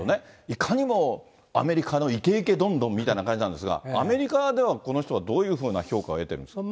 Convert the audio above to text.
いかにもアメリカのいけいけどんどんみたいな感じなんですが、アメリカではこの人は、どういうふうな評価を得てるんですか。